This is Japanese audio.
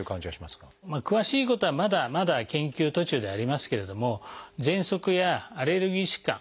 詳しいことはまだまだ研究途中ではありますけれどもぜんそくやアレルギー疾患